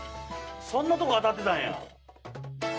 そんなとこ当たってたんや。